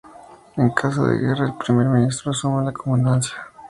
En caso de guerra el Primer Ministro asume la comandancia.